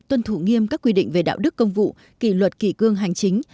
tuân thủ nghiêm các quy định về đạo đức công vụ kỷ luật kỷ cương hành chính